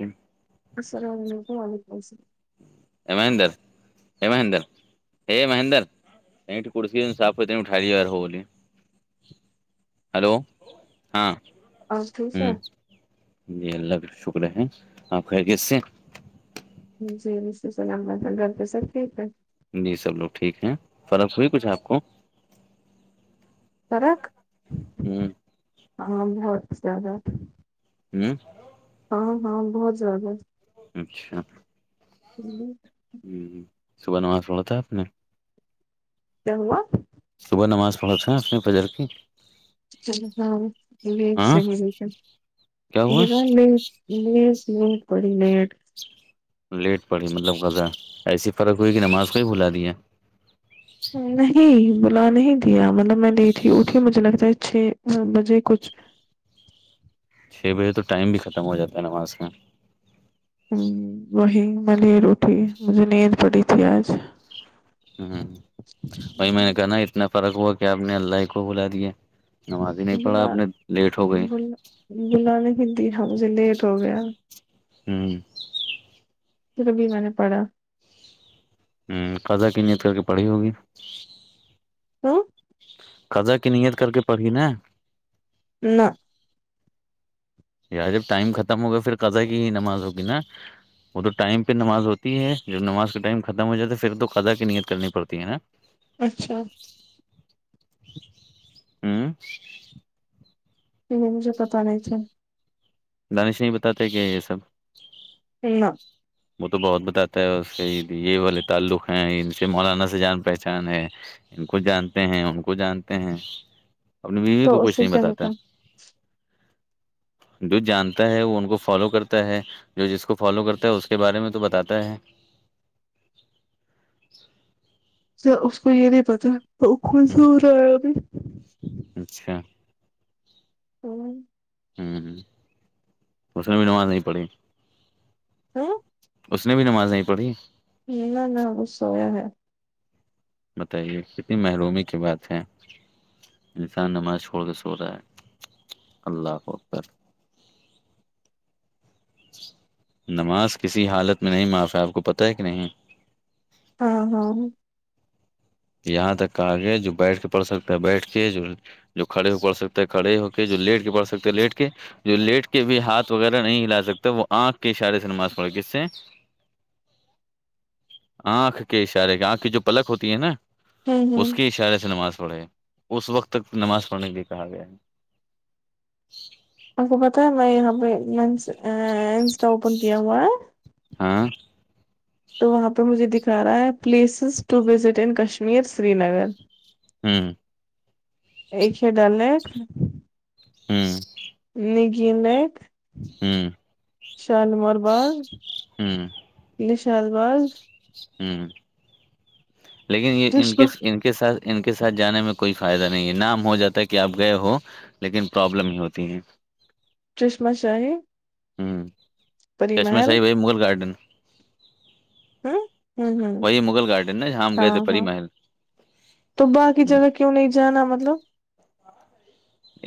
جم [unintelligible] السلام علیکم وعلیکم السلام ای مہندر ای مہندر [unintelligible] ہ مہندر یہ کسی صاف ہوتے ٹال جار ہوو ہلو ہاں آپ ٹھیک ہے ہ جی اللہ کا شکر ہے آپ خیریت سے جی رش الام وح گھر پہ سب ٹھیک ہے جی سب لوگ ٹھیک ہیں فرق ہوئی کچھ آپ کو فرق ہ ہاں بہت زیادہ ہوں ہاں ہاں بہت زیادہ اچھا جی ہ صبح ن وہاں سوڑا تھا آپ نے کیا ہوا صبح نماز پہنچ رہا ہیں اس میں پجر کی چلو ہاں یہ ہاں صحی ہے کیا ہوا مے گ میں م ت کوڑی مٹ لیٹ پڑی مطلب غذا ایسی فرق ہوئی کہ نماز کویں بھلا دیا نہیں بلا نہیں دیا مطلب میں لیٹھی اٹھی مجھے لگتا ہے چھ بجے کچھ چھ بجے تو ٹائم بھی ختم ہو جاتا ہے نا وہاں میں ہ وہی ملی روٹیھی مجھے نیند پڑی تھی آج ہ وہی میں نے کہا ن اتنا فرق ہوا کہ آپ نے اللہ ہی کو بلا دیا نماز ہی نہیں پڑھا ا اپ بلا نے لیٹ ہو گئی بلا بلا نہیں دیا مجھے لیٹ ہو گیا ہوں پھر ابھی میں نے پڑھا ہوں قضا کی نیت کر کے پڑھی ہوگی [inaudible] قضا کی نیت کر کے پڑھی نا نہ یار جب ٹائم ختم ہوگا پھر قضا کی ہی نماز ہوگی نا وہ تو ٹائم پہ نماز ہوتی ہے جب نماز کے ٹائم ختم ہو جاتا ہے پھر تو قضا کی نیت کرنی پڑتی ہے نا اچھا ہوں پ مجھے پتا نہیں تھ دانش نہیں بتاتے کیا یہ سب [inaudible] وہ تو بہت بتاتا ہے اس سےید یہ والے تعلق ہیں ان سے مولانا سے جان پہچان ہے ان کو جانتے ہیں ان کو جانتے ہیں اپنی بیوی کو تو اس کچھ سے نہیں کیا ہوتا بتاتا جو جانتا ہے وہ ان کو فالو کرتا ہے جو جس کو فالو کرتا ہے اس کے بارے میں تو بتاتا ہے اس کو یہ نہیں پتا وہ کون سے ہو رہا ہے ابھی اچھا ہوں ہوں ہ اس میں بھی نماز نہیں پڑی تو اس نے بھی نماز نہیں پڑھی نہ نہ گسویا ہے بتائیے کتنی محرومی کی بات ہے انسان نماز چھوڑ کے سو رہا ہے اللہ کو اکتر [unintelligible] نماز کسی حالت میں نہیں معاف ہے آپ کو پتہ ہے کہ نہیں ہاں ہاں یہاں تک کہ آگ ہے جو بیٹھ کے پڑھ سکتے ہیں بیٹھ کے جو جو کڑے ہو پڑ سکتے ہے کڑے ہو کے جو لیٹ کے پڑ سکتے لیٹ کے جو لیٹ کے بھی ہاتھ وغیرہ نہیں ہلا سکتا وہ آنکھ کے اشارے سے نماز پڑ کس سے [unintelligible] آنکھ کے اشارے کے آنکھ کی جو پلک ہوتی ہے نا اس ہوں کے اشارے سے نماز پڑھے اس وقت تک نماز پڑھنے کے لیے کہا گیا ہے آپ کو پتہ ہے میں یہاں پہ انسٹا اوپن کیا ہوا ہے ہاں تو وہاں پہ مجھے دکھا رہا ہے places to visit in Kashmir Srinagar ہاں ایک ش ڈ ل ہوں نگی لگ ہاں شال نمار باغ ہوں نشال بغ ہوں لیکن یہ ان کے چشمہ ان کے کے سات ان کے ساتھ جانے میں کوئی فائدہ نہیں ہے نام ہو جاتا ہے کہ آپ گئے ہو لیکن پرابلم ہی ہوتی ہیں شمشاہ [unintelligible] ہوں چشمہ شاہی بھائی مغل گارڈن ہ ہ ہ وہی مغل گارڈن نا جاں ہم گئے ہاں تھے پری ہاں محل تو باقی جگہ کیوں نہیں جانا مطلب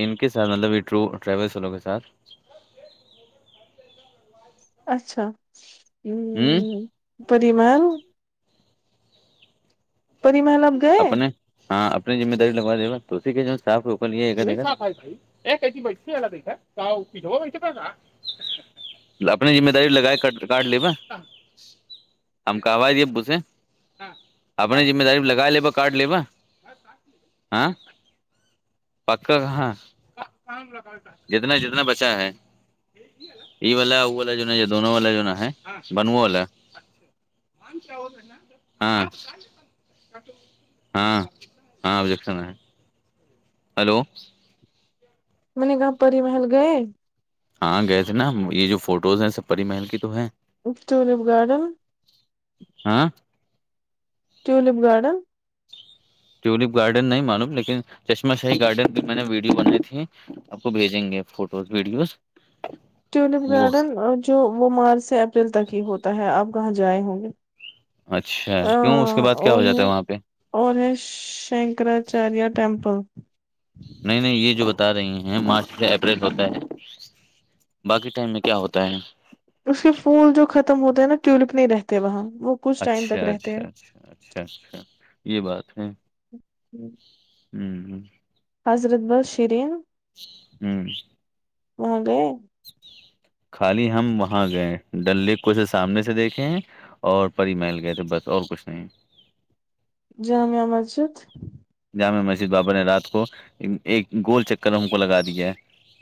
ان کے ساتھ مطلب یہ ٹ ٹریولس والوں کے ساتھ اچھا ہوں پمال [unintelligible] پ محالب گئے [unintelligible] اپنے ہاں اپنی ذمہ داری لگوا د گا اسی کے جو صاف ہوکا جگہ ا کہ ت بسی ہےا د تھاا تو پ جوا بسے تھا کاا [unintelligible] اپنی ذمہ داری لگائے کاٹ لی ب ہم کہو دیے ابھے اپنے جذمہ داری لگا لیبا کارڈ لیبا ہ پککا کہاں جتنا جتنا بچا ہے ای والا وہ والا جو ہے نا یہ دونوں والا جو ہے نا ہے بنو والا من سےا ہوین [unintelligible] ہاں ہاں ابجیکشن ہے ہلو م نے گاؤں پی محل گئے ہاں گئے تھے نا یہ جو فوٹوز ہیں سب پری محل کی تو ہے ٹولپ گارڈن [unintelligible] ہاں ٹیولپ گارڈن ٹیولپ گارڈن نہیں معلوم لیکن چشمہ شاہی گارڈن بھی میں نے ویڈیو بنائی تھی آپ کو بھیجیں گے فوٹوز ویڈیوز ٹیولپ وہ گارڈن جو وہ مارچ سے اپریل تک ہی ہوتا ہے آپ کہاں جائے ہوں گے اچھا کیوں اس کے بعد کیا ہو جاتا ہے وہاں پہ اور ہے شنکراچاریہ ٹمپل نہیں نہیں یہ جو بتا رہی ہیں مارچ سے اپریل ہوتا ہے باقی ٹائم میں کیا ہوتا ہے اس کے پھول جو ختم ہوتے ہیں نا ٹیولپ نہیں رہتے وہاں وہ کچھ ٹائم اچھا تک رہتے اچھا اچھا اچھا اچھا یہ بات ہے ہیں ہوں ہ حضرت بل شرین ہوں ہگے [unintelligible] خالی ہم وہاں گئے ڈل لیک کو اسے سامنے سے دیکھے ہیں اور پری محل گئے تھے بس اور کچھ نہیں جامع مسجد جامع مسجد بابا نے رات کو ایک گول چکر ہم کو لگا دیا ہے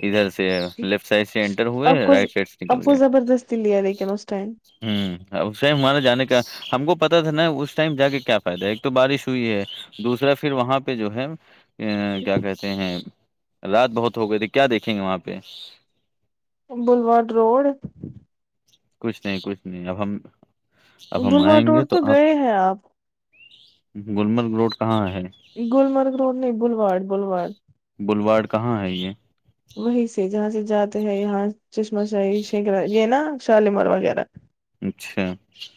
ادھر سے لیفٹ سائڈ سے انینٹر ہوئے آپ کو رائٹ سائڈ سے نکل آپ کو گئے ہوں زبردستی لیا لیکن اس ٹائم س ہمارے جانے کا ہم کو پتا تھا نا اس ٹائم جا کے کیا فائدہ ہے ایک تو بارش ہوئی ہے دوسرا پھر وہاں پہ جو ہے کیا کہتے ہیں رات بہت ہو گئی تو کیا دیکھیں گے وہاں پہ بلوڈ روڈ کچھ نہیں کچھ نہیں اب ہم اب ہم بلواڈ آئیں گے روڈ تو آپ گئے ہیں گلمرگ روڈ کہاں ہے یہ گللمرگ روڈ نہیں بلوڈ بلوڈ بلواڑ کہاں ہے یہ وہیں سے جہاں سے جاتے ہیں یہاں چشمہ شاہی ش یہ نا شالیمار وغیرہ اچھا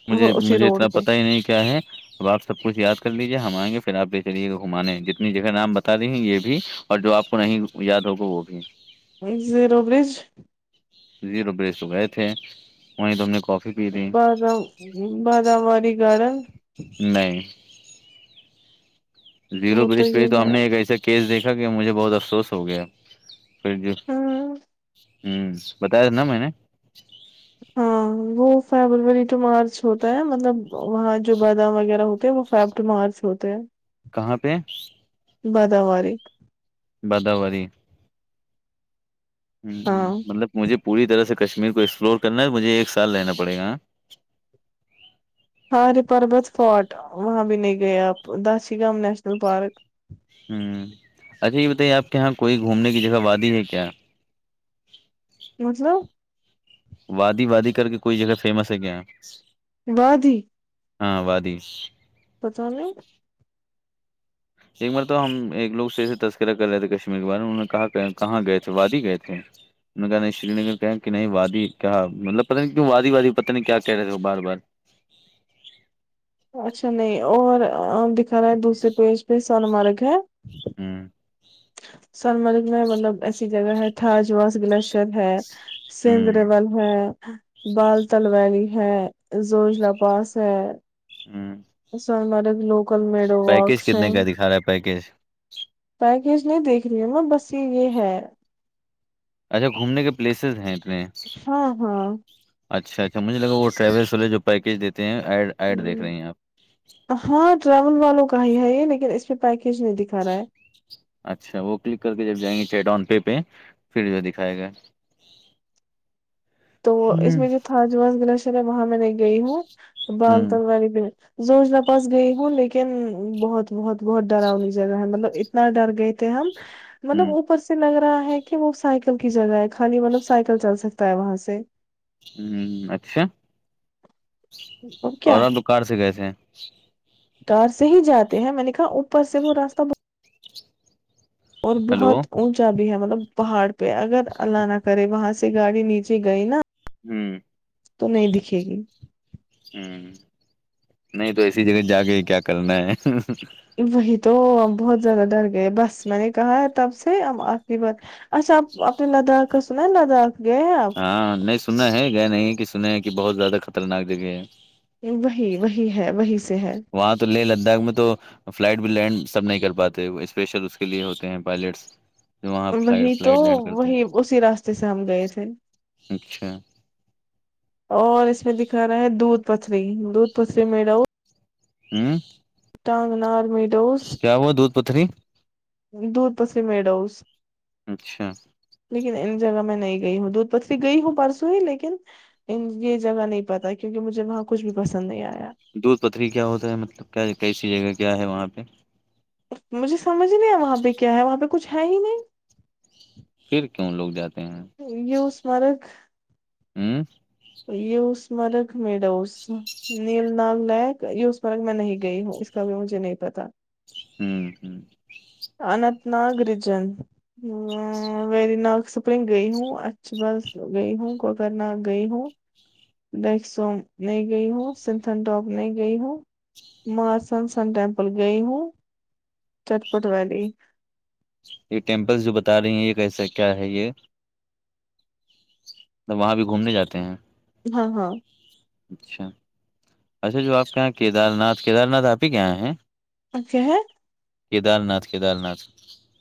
مجھے وہ اسی مجھے اتنا روڈ کو پتا ہی نہیں کیا ہے اب آپ سب کچھ یاد کر لیجیے ہم آئیں گے پھر آپ لے چلیے گا گھمانے جتنی جگہ نام بتا رہی ہیں یہ بھی اور جو آپ کو نہیں یاد ہوگا وہ بھی ایک زیرو برج زیرو بریس گئے تھے وہ ت ہم نے پی لی بادام بادامواری گارڈن نہیں زیرو وہ پرش پہ ہی یہ تو ہم ہے نے ایک ایسا کیس دیکھا کہ مجھے بہت افسوس ہو گیا پھر جو ہاں ہوں بتایا تھا نا میں نے ہاں وہ فیبروری ٹو مارچ ہوتا ہے مطلب وہاں جو بادام وغیرہ ہوتے ہیں وہ فیبٹو مارچ ہوتے ہیں کہاں پہ بادوار بادوری ہ ہاں مطلب مجھے پوری طرح سے کشمیر کو ایکسپلور کرنا ہے مجھے ایک سال رہنا پڑے گا ہار پربت فورٹ وہاں بھی نہیں گئے آپ داشی گام نیشنل پارک ہوں اچھا یہ بتائیے آپ کے یہاں کوئی گھومنے کی جگہ وادی ہے کیا [unintelligible] وادی وادی کر کے کوئی جگہ فیمس ہے کیا یہاں ودی ہاں وادیش تو چے ایک بار تو ہم ایک لوگ سے ایے تذکرہ کر رہے تھے کشمیر کے بارے انہ کہاں کہاں گئے تھے وادی گئے تھے ان کہا نہیں سری نگر کہ نہیں وادی کہ مطلب پتا نہیںوں وادی وادی پتہ نہیں کیا کہہ رہے تھ بار بار اچھا نہیں اور دکھا رہا ہے دوسرے پیج پہ سنمارگ ہے [inaudible] سون مرگ میں مطلب ایسی جگہ ہے تھاجواس گلیشر ہے سندرے بول ہوں ہے بال تل ویلی ہے زوجلا پاس ہے ہوں سن مرگ لوکل مییرو وکس ہیں خارا پیکج پیکج نہیں دیکھ رہی ہے نا بس یہ یہ ہے اچھا گھومنے کے پلیسز ہیں اتنے ہاں ہاں اچھا اچھا مجھے لگا وہ ٹریولس والے جو پیکیج دیتے ہیںڈ ایڈ دیکھ رہے ہیں آپ ہاں ٹریول والوں کا ہی ہے یہ لیکن اس پہ پیکیج نہیں دکھا رہا ہے اچھا وہ کلک کر کے جب جائیں گے چیٹ آن پے پہ پھر جو ہے دکھائے گا [inaudible] تو اس ہ میں جو تھاجواز گلشر ہے وہاں میں نہیں گئی ہوں ہ بال تل والی بھی زجنا پاس گئی ہوں لیکن بہت بہت بہت ڈرؤ مج جگہ ہے مطلب اتنا ڈر گئے تھے ہم ہ مطلب اوپر سے لگ رہا ہے کہ وہ سائیکل کی جگہ ہے خانی مطلب سائیکل چل سکتا ہے وہاں سے ہوں اچھا ا کیا گھر س گئے سے کار سے ہی جاتے ہیں میں نے کہا اوپر سے وہ راستہ بہت اور ہلو ہوں بہت چا بھی ہے مطلب پہاڑ پہ اگر اللہ نہ کرے وہاں سے گاڑی نیچے گئی نا تو نہیں دکھے گی ہوں نہیں تو ایسی جگہ جا کے کیا کرنا ہے وہی تو ہم بہت زیادہ ڈر گئے بس میں نے کہا ہے تب سے ہم آخری بار اچا اپنے لداخ اسوں نا لداخ گئے ہیں آپ ہاں نہیں سننا ہے گیا نہیں کہ سنے ہیں کہ بہت زیادہ خطرناک جگہ ہے وہی وہی ہے وہی سے ہے وہاں تو لے لداخ میں تو فلائٹ بھی لینڈ سب نہیں کر پاتے اسپیشل اس کے لیے ہوتے ہیں پائلٹس جو وہاں وہی تو فلائٹ لینڈ کرتے وہی ہیں اسی راستے سے ہم گئے تھے اچھا اور اس میں دکھا رہا ہے دودھ پتری دودھ پتری م ڈاوں ھمم ڈٹانگنا اورمییر کیا ہوا دودھ پتھری دودور پس مڈوس اچھا لیکن ان جگہ میں نہیں گئی ہوں دودھ پتری گئی ہوں پرسوں ہی لیکن ان یہ جگہ نہیں پتا کیونکہ مجھے وہاں کچھ بھی پسند نہیں آیا دودھ پتھری کیا ہوتا ہے مطلب کیا کیسی جگہ کیا ہے وہاں پہ مجھے سمجھ نہیں آیا وہاں پہ کیا ہے وہاں پہ کچھ ہے ہی نہیں پھر کیوں لوگ جاتے ہیں یوس مرگ [unintelligible] ھمم یہ اسمرک م ڈاو [unintelligible] نیل نال لیک یس مرگ میں نہیں گئی ہوں اس کا بھی مجھے نہیں پتا ھمم ھممم اننت ناگ رجن وری نگ سپلنگ گئی ہوں اچھ بس گئی ہوں کوکر ناگ گئی ہوں ڈیک سوم نہیں گئی ہو سنتھن ٹاپ نہیں گئی ہو میں سن سن ٹیمپل گئی ہوں چٹپٹ ویلی یہ ٹیمپلس جو بتا رہی ہیں یہ کیسا کیا ہے یہ تب وہاں بھی گھومنے جاتے ہیں ہاں ہاں اچھا اچھا جو آپ کے یہاں کیدار ناتھ کیدار ناتھ آپ ہی کےاں ہیں اچھا ہے کیدار ناتھ کیدار ناتھ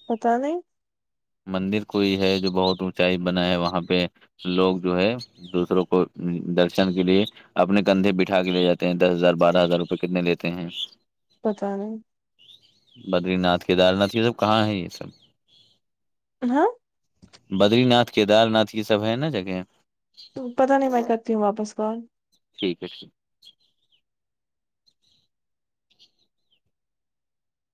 پتا نہیں مندر کوئی ہے جو بہت اونچائی بنا ہے وہاں پہ لوگ جو ہے دوسروں کو درشن کے لیے اپنے کندھے بٹھا کے لے جاتے ہیں دس ہزار بارہ ہزار روپئے کتنے لیتے ہیں پت نہیں بدری ناتھ کیدار ناتھ یہ سب کہاں ہے یہ سب ہاں بدری ناتھ کیدار ناتھ یہ سب ہے نا جگہ تو پتا نہیں میں کرتی ہوں واپس کال ٹھیک ہے ٹھیک [unintelligible]